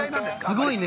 ◆すごいね。